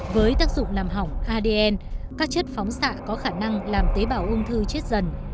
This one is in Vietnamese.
với tác dụng làm hỏng adn các chất phóng xạ có khả năng làm tế bào ung thư chết dần